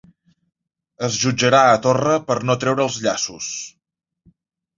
Es jutjarà a Torra per no treure els llaços